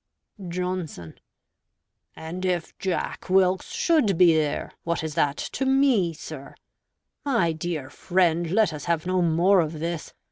Johnson And if Jack Wilkes should be there, what is that to me, sir? My dear friend, let us have no more of this.